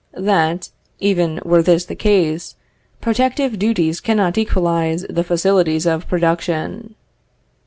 That, even were this the case, protective duties cannot equalize the facilities of production.